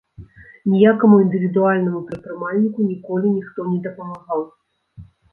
Ніякаму індывідуальнаму прадпрымальніку ніколі ніхто не дапамагаў.